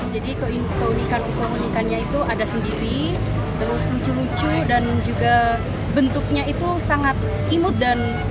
jadi keunikan keunikannya itu ada sendiri terus lucu lucu dan juga bentuknya itu sangat imut dan lucu